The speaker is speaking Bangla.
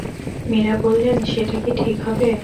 মীরা বললেন, সেটা কি ঠিক হবে?